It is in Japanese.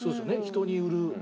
人に売る。